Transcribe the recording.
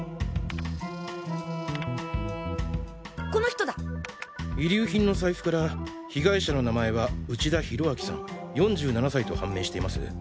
この人だ。遺留品の財布から被害者の名前は内田博光さん４７歳と判明しています。